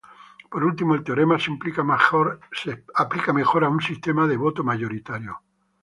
Por último el teorema se aplica mejor a un sistema de voto mayoritario.